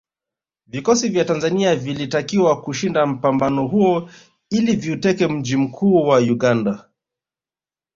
Vikosi vya Tanzania vilitakiwa kushinda mpambano huo ili viuteke mji mkuu wa Uganda